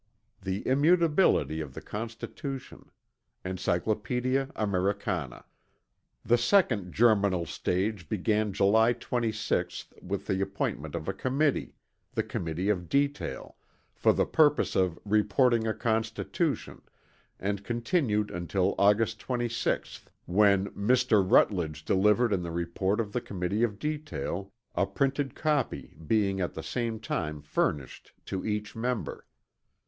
The Immutability of the Constitution. Encyclopædia Americana. The second germinal stage began July 26th with the appointment of a committee the Committee of Detail "for the purpose of reporting a Constitution," and continued until August 6th when "Mr. Rutledge delivered in the report of the Committee of Detail a printed copy being at the same time furnished to each member."